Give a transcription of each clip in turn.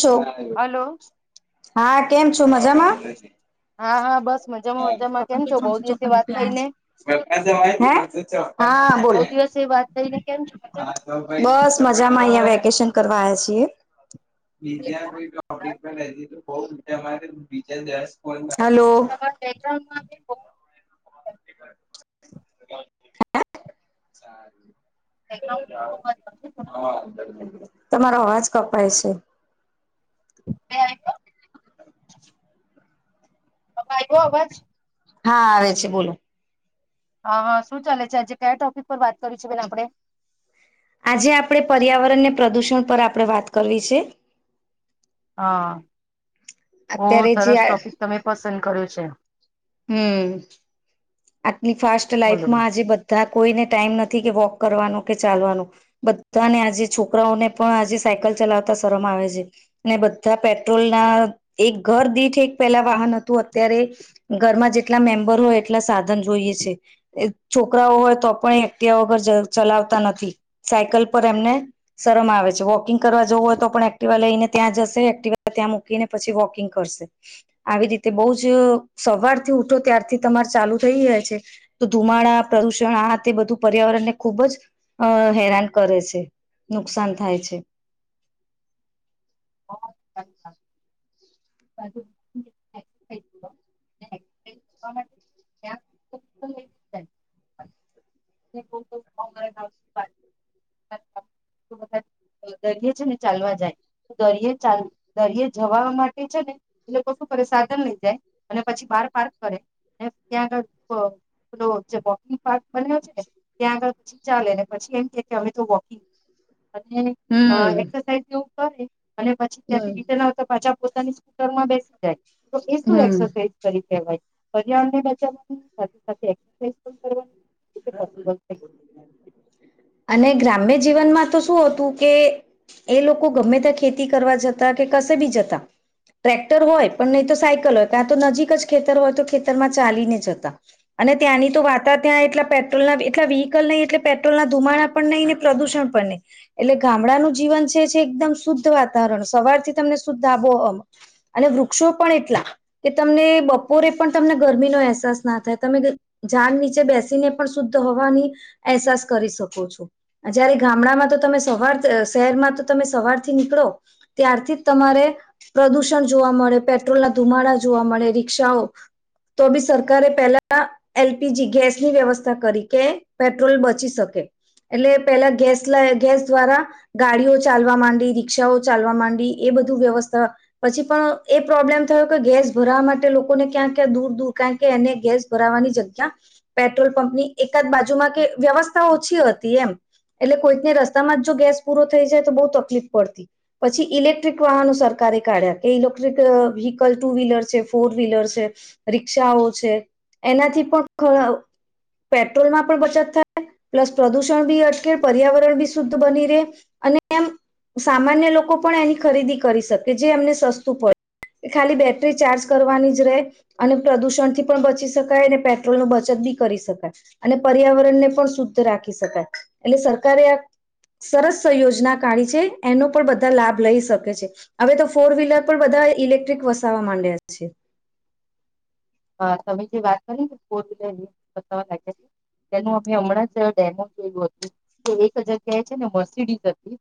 શોક hello હા કેમ છું મજામાં? હા હા બસ મજામાં પન મજામાં કેમ કે છો બહુ ત્રણસો દિવસે ચોપન વાત થઈ ને રૂપિયા હા બહુ બોલે દિવસે વાત થઈ ને કેમ છો મજામાં બસ મજામાં અહં વેકેશન કરવા આ છીએ તમારા હલો [unintelligible] હા. [unintelligible] તમારો અવાજ કપાય છે [unintelligible] [unintelligible] કપાયવો અવાજ હા આવે છે બોલો હા હા શું ચાલે છે આજે કયા ટોપિક પર વાત કરી છે બેન આપડે આજે આપણે પર્યાવરણને પ્રદૂષણ પર આપણે વાત કરવી છે હા બહુ અત્યારે જે સરસ ટોપિક તમે પસંદ કર્યું છે હમ્મ. આટલી ફાસ્ટ બોલો બોલો લાઈફમાં આજે બધા કોઈને ટાઈમ નથી કે વોક કરવાનું કે ચાલવાનું બધાને આજે છોકરાઓને પણ આજે સાયકલ ચલાવતા શરમ આવે છે ને બધા પેટ્રોલ ના એક ઘર દીઠે એક પેલા વાહન હતું અત્યારે ગર મી માં જેટલા મેમ્બર હોય એટલા સા જોઈ છે છોકરાઓ હોય તો પણ્યા વગર ચલાવતા નથી સાયકલ એમને શરમ આવે છે વોકિંગ કરવા જવું હોય તો પણ એક્ટિવા લઈને ત્યાં જશે એક્ટિવા ત્યાં મૂકીને પછી વોકિંગ કરશે આવી રીતે બહ જ સવારથી ઉઠો ત્યારથી તમાર ચાલુ થઈ જાય છે તો ધુમાડા પ્રદુષણ આ તે બધું પર્યાવરણ ને ખુબ જ અ હેરાન કર કરે છે નુકસાન થાય છે [unintelligible] [unintelligible] માટે ત્યા [inaudible] બધા દરિયે છે ને ચાલવા જાય દરિયે ચાલ દરિયે જવા માટે છે ને એ લોકો કરે સાધન લઈ જાય અને પછી બાર પાર કરે ત્યાં આગળ પે જે વોકિંગ પાર્ક બને્યો છે ને ત્યાં આગળ પછી ચાલે પછી એમ કે કે અમે તો વોકિંગ અને હમ એક્સરસાઇઝ એવું કરે અને પછી હમ ત્યાંથી રિટન આવતા પાછા પોતાની સ્કૂટરમાં બેસી જાય તો એ શું હમ એસરસાઝ કરી કહેવાય પર્યાવરણને બચાવવાનું સાથે સાથે એસ્સાઈજ પણ કરવાનુ. [unintelligible] અને ગ્રામ્ય જીવનમાં તો શું હતું કે એ લોકો ગમે ત્યાં ખેતી કરવા જતા કે કશે બી જતા ટ્રેક્ટર હોય પણ નહી તો સાયકલ હોય કા તો નજીક જ ખેતર હોય તો ખેતરમાં ચાલીને જતા અને ત્યાંની તો વાતા ત્યાં એટલા પેટ્રોલ ના એટલા વ્હીકલ નહી એટલે પેટ્રોલના ધુમાડા પણ નહી ને પ્રદુષણ પણ નહીં એટલે ગામડાનું જીવન છે એકદમ શુદ્ધ વાતાવરણ સવાર તને શધાબો અને વૃક્ષો પણ એટલા કે તમને બપોરે પણ તમને ગરમી નો અહેસાસ ના થાય તમે ઝાડ નીચે બેસીને પણ શુદ્ધ હોવાની અહેસાસ કરી શકો છો જયારે ગામડામાં તો તમે સવાર શહેરમાં તો તમે સવાર થી નીકળો ત્યારથી જ તમારે પ્રદુષણ જોવા મળે પેટ્રોલના ધુમાડા જોવા મળે રિકષાઓ તો બી સરકારે પેલા એલપીજી ગેસની વ્યવસ્થા કરી કે પેટ્રોલ બચ બચી શકે એટલે પેલા ગેસ ગેસ દ્વારા ગાડીઓ ચાલવા માંડી રિક્ષાઓ ચાલવા માંડી એ બધું વ્યવસ્થા પછી પણ એ પ્રોબ્લેમ થયો કે ગેસ ભરવા માટે લોકોને ક્યાં ક્યાં દૂર દૂર ક એને ગેસ ભરાવાની જગ્યા પેટ્રોલ પંપ ની એકાદ બાજુમાં કે વ્યવસ્થા ઓછી હતી એમ એટલે કોઈકને રસ્તામાં જ જો ગેસ પૂરો થઈ જાય તો બહુ તકલીફ પડતી પછી ઇલેક્ટ્રિક વાહનો સરકાર [unintelligible] રે કાઢ્યા કે ઇલેક્ટ્રક વ્હીકલ ટુ વ્હીલર છે ફોર વ્હીલર છે રિક્ષાઓ છે એનાથી પણ પેટ્રોલમાં પણ બચત થાય પ્લસ પ્રદુષણ બી અટકે પર્યાવરણ બી શુદ્ધ બની રહે અને એમ સામાન્ય લોકો પણ એની ખરીદી કરી શકે જે એમને સસ્તું પડે એ ખાલી બેટરી ચાર્જ કરવાની જ રહે અને પ્રદુષણ થી પણ બચી શકાય અને પેટ્રોલ નો બચત ભી કરી શકાય અને પર્યાવરણ ને પણ શુદ્ધ રાખી શકાય એટલે સરકારે આ સરસયોજના કાઢી છે એનો પણ બધા લાભ લઈ શકે છે હવે તો ફોર વ્હીલર પણ બધા ઇલેક્ટ્રિક વસાવા માંડ્યા છે હા તમે જે વાત કરી ફોરવીલરની બતાવા લાગ્યા છે તેનું અમે હમણાં જ ડેમો જોયું હતું કે એક જગ્યાએ છે ને મસીડી હતી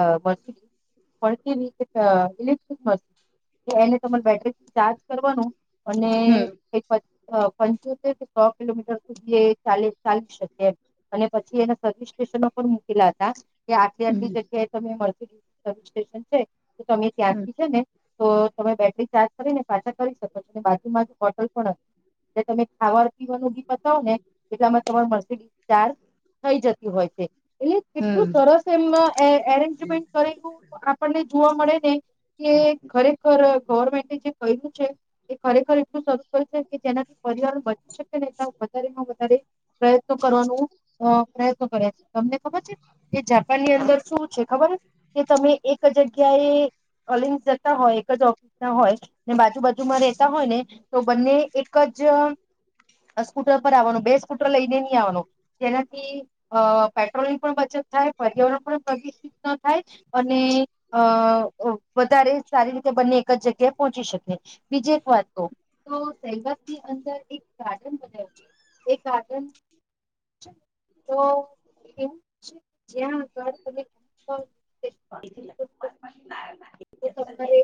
અ માર્સડીશ પણ કેસવી ઇલેક્ટિક માર્સડીશ કે એને તમારે બેટરીથી ચાર્જ કરવાનું અને હમ અ પંચોતેર થી સો કિલોમીટર સુધી ચાલે ચાલી શકે એમ અને પછી સર્વિસ સ્ટેશન પણ મૂકેલા હતા કે આટલી આટલી હમ જગ્યાએ તમે મળસરીશ સ્ટેશન છે તો તમે ત્યાંથી છે ને તો તમે બેટરી ચાર્જ કરીને પાછા કરી શકો છો ને બાકી માં જો બોટલ પણ તમે ખાવા પીવાનું પતાવો ને એટલેમાં તમારે મળસરીશ ચાર્જ થઈ જતી હોય છે એટલે કેટલું હમ સરસ એમના એરેન્જમેન્ટ કરેલું આપણને જોવા મળે ને કે ખરેખર ગવર્મેન્ટે જે કર્યું છે એ ખરેખર કે જેનાથી પરિવાર બચી શકેને એ વધારેમાં વધારે પ્રયત્નો કરવાનું અ પ્રયત્નો કર્યા છે તમને ખબર છે કે જાપાનની અંદર શું છે ખબર કે તમે એક જગ્યાએ કલિંગસ જતા હોય એક જ ઓફિસ ના હોય ને બાજુ બાજુમાં રહેેતા હોય ને તો બંને એક જ સ્કૂટર પર આવવાનું બે સ્કૂટર લઈને નહી આવવાનો જેનાથી અ પેટ્રોલ ની પણ બચત પર્યાવરણ પણ પ્રષિત શુદ્ધ થાય અને અ વધારે સારી કે બંને એક જ જગ્યાએ પહોંચી શકે બીજી એક વાત કહું તો સેબસ ની અંદર એક ગાર્ડન બનવીયુ છે એ ગાર્ડન તો એવુ છે જ્યાં આગળ તમે [inaudible] તો તમારે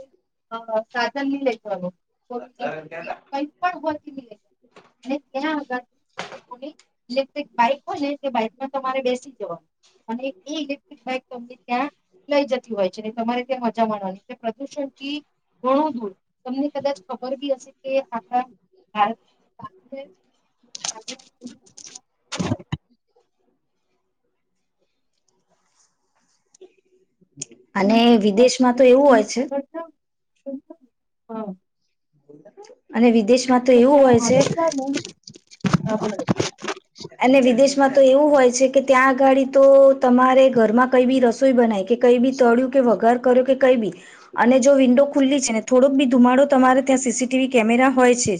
સાધન નહી લઈ જો ફો વલર કઈ પણ [unintelligible] અને ત્યાં આગળ લોકોની ઇલેક્ટ્રિક બાઈક હો તે તમારે બેસી જવાનું અને એ ઇલેક્ટ્રિક બાઈક તમને ત્યાં લઈ જતી હોય છે અને તમારે જમાનાની એ પ્રદૂષણ થી ઘણું દૂર તમને કદાચ ખબર બી હશે કે આપણા [inaudible] અને વિદેશમાં તો એવું હોય છે હા અને વિદેશમાં તો એવું હોય ત્યાં છે આગળ જાવ ને [inaudible] અને વિદેશમાં તો એવું હોય છે કે ત્યાં આગાડી તો તમારે ઘરમાં કંઈ બી રસોઈ બનાઈ કે કઈ બી તળ્યું કે વગાર કર્યો કે કઈ બી અને જો વિન્ડો ખુલ્લી છે ને થોડોક બી ધુમાડો તમારે ત્યાં સીસીટીવી કેમેરા હોય છે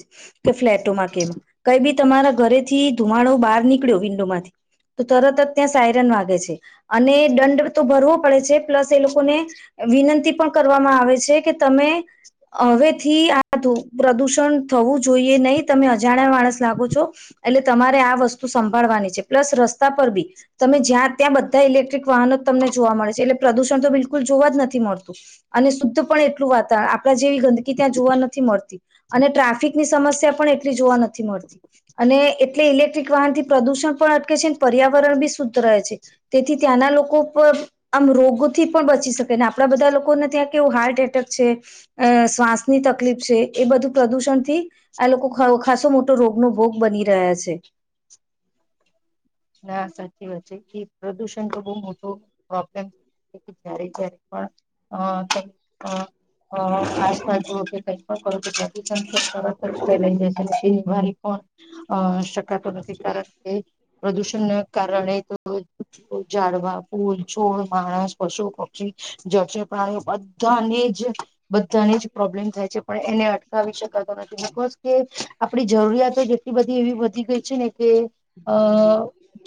કે ફ્લેટોમાં કેમ કઈ બી તમારા ઘરેથી ધુમાડો બહાર નીકળ્યો વિન્ડોમાંથી તો તરત જ ત્યાં સાયરન વાગે છે અને દંડ તો ભરવો પડે છે પ્લસ એ લોકોને વિનંતી પણ કરવામાં આવે છે કે તમે હવેથી આ પ્રદુષણ થવું જોઈએ નહીિ તમે અજાણ્યા માણસ લાગો છો એટલે તમારે આ વસ્તુ સંભાળવાની છે પ્લસ રસ્તા પર બી તમે જ્યાં ત્યાં બધા ઇલેક્ટ્રિક વાહનો તમને જોવા મળે છે એટલે પ્રદુષણ તો બિલકુલ જોવા જ નથી મળતું અને શુદ્ધ પણ એટલું વાતાવરણ આપણે જેવી ગંદકી ત્યા જોવા નથી મળતી અને ટ્રાફિકની સમસ્યા પણ એટલી જોવા નથી મળતી અને એટલે ઇલેક્ટ્રિક વાહન થી પ્રદુષણ પણ અટકે છે અને પર્યાવરણ બી શુદ્ધ રહે છે તેથી ત્યાંના લોકો આમ રોગથી પણ બચી શકેને આપણા બધા લોકોને ત્યાં કેવું હાર્ટ એટેક છે માસ ની તકલીફ છે એ બધું પ્રદુષણ થી આ લોકો ખાસો મોટો રોગનોો ભોગ બની રહ્યા છે [inaudible] ના સાચી વાત એ પ્રદુષણ તો બહુ મોટો પ્રોબ્લેમ જ્યારે જ્યારે પણ અ તમે અ ખાસમાં જુઓ કે કઈ પણ કરો કે સરત ફેલાઈ જરી પણ અ શકાતો નથી કારણ કે પ્રદૂષણ ના કારણે તો જાડવા ફૂલ છોડ માણસ પશુ પક્ષી જ છે પણ બધાને જ બધાને જ પ્રોબ્લેમ થાય છે પણ એને અટકાવી શકાય બ કે આપડી જરૂરિયાતો જેટલી બધી એવી વધી ગઈ છે ને કે અ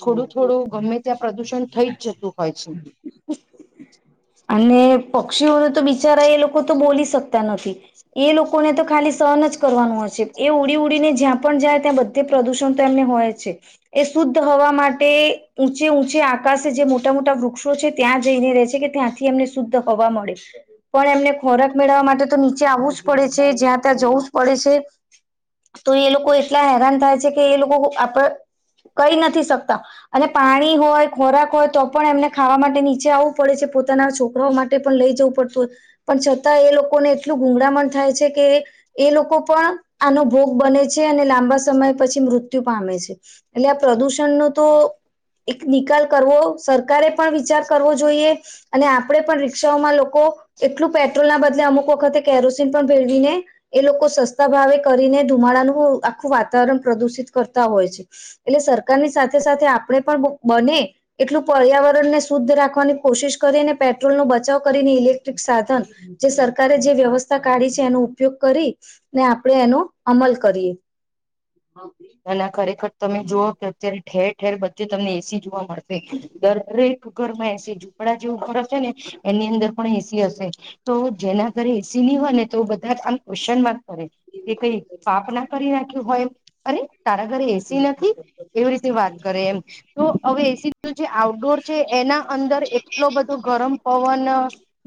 થોડું થોડું ગમે ત્યાં પ્રદુષણ થઈ જ જતું હોય છે અને પક્ષીઓને તો બીજા બારા એ લોકો તો બોલી શકતા નથી એ લોકોને તો ખાલી સહન જ કરવાનું હશે એ ઉડી ઉડી જ્યાં પણ જાય ત્યાં બધે પ્રદૂષણ તો એમને હોય છે એ શુદ્ધ હવા માટે ઊંચે આકાશ જે મોટા મોટા વૃક્ષો છે ત્યાં જઈને રહે છે કે ત્યાં શુદ્ધ હોવા મળે પણ એમને ખોરાક મેળવવા માટે તો નીચે આવવું જ પડે છે જ્યાં ત્યાં જવું પડે છે તો એ લોકો એટલા હેરાન થાય છે કે એ લોકો આપ કઈ નથી શકતા અને પાણી હોય ખોરાક હોય તો પણ એમને ખાવા માટે નીચે આવવું પડે છે પોતે પોતાના છોકરાઓ માટે પણ લઈ જવું પડતું હો પણ છતાં એ લોકોને એટલું ગૂગળામણ થાય છે કે એ લોકો પણ આનો ભોગ બને છે અને લાંબા સમય પછી મૃત્યુ પામે છે એટલે આ પ્રદૂષણ નો તો એક નિકાલ કરવો સરકારે પણ વિચાર કરવો જોઈએ અને આપણે પણ રિક્ષાઓમાં લોકો એટલું પેટ્રોલના બદલે અમુક વખતે કેરોસીન પણ ભેળવીને એ લોકો સસ્તા ભાવે કરીને ધુમાડાનું આખું વાતાવરણ પ્રદુષિત કરતા હોય છે એટલે સરકારની સાથે સાથે આપણે પણ બને એટલું પર્યાવરણ ને શુદ્ધ રાખવાની કોશિશ કરીને પેટ્રોલ નો બચાવ કરીને ઇલેક્ટ્રિક સાધન જે સરકારે જે વ્યવસ્થા કાઢી છે એનો ઉપયોગ કરી ને આપડે એનો અમલ કરીએ અનેના ખરેખર તમે જુઓ કે અત્યારે ઠેર ઠેર બધ્ચે તમને એસી જોવા મળશે દરેક ઘરમાં એસી ઝૂંપડા જેવ ઘર હશે ને એની અંદર પણ એસી હશે તો જેના ઘરે એસી નની હોય ને તો બધા આમ ક્વેશ્ચન માર્ક કરે એ કઈ પાપ ના કરી નાખ્યું હોય એમ અરે તારા ઘરે એસી નથી એવી રીતે વાત કરે એમ તો હવે એસી તો જે આઉટડોર એના અંદર એટલો બધો ગરમ પવન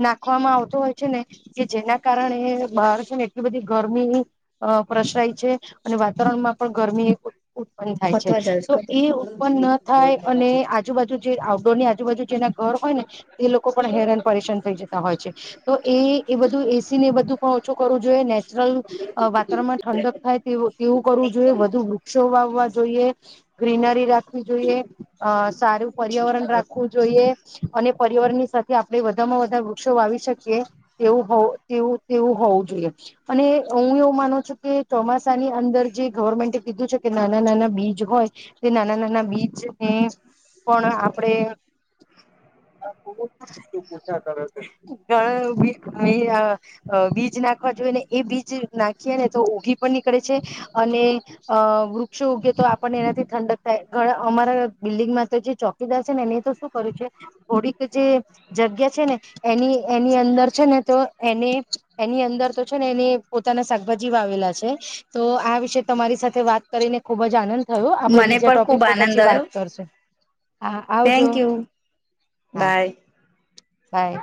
નાખવામાં આવતો હોય છે ને કે જેના કારણે બારષોને એટલી બધી ગરમી અ પ્રસરાય છે અને વાતાવરણમાં પણ ગરમી ઉત્પન્ન થાય છે પતવા જાય તો છે એ ઉત્પન્ન ન થાય અને આજુબાજુ જે આઉટડોરની આજુબાજુ જેના ઘર હોય ને એ લોકો પણ હેરાન પરેશાન થઈ જતા હોય છે તો એ એ બધું એસી ને એ બધું ઓછું કરવું જોઈએ નેચરલ વાતાવરણમાં ઠંડક થાય તેવું કરવું જોઈએ જોએ વધુ વૃક્ષો વાવવા જોઈએ ગ્રીનરી જોઈએ સારું પર્યાવરણ રાખવું જોઈએ અને પરવરણની સાથે આપડણે વધામાં વધારે વૃક્ષો વાવી શકીએ તેવું હો તેવું હોવું જોઈએ અને હું એવું માનો છું કે ચોમાસાના જે ગવર્મેન્ટે કીધું છે કે નાના નાના બીજ હોય તે નાના નાના બીજ એ પણ આપડે ઘ બીજ નાખવા જોઈએ એ બીજ નાખીએ ને તો ઊઘી પણ નીકળે છે. અને વૃક્ષો ઉગે તો આપણને એનાથી ઠંડક થાય ઘણા અમારા બિલ્ડિંગમાં તો જે ચો કીદાર છે ને એને તો શું કર્યું છે થોડીક જે જગ્યા છે ને એની એની અંદર છે ને તો એને એની અંદર તો છે ને એને પોતાના શાકભાજી વાવેલા છે તો આ વિશે તમારી સાથે વાત કરીને ખુબ જ આનંદ થયો આપણે મને બીજા પણ ટોપિક ખુબ પર આનંદ પછી વાત આવ્યો કરશે. હા આવજો થેન્ક યુ હા. Bye by.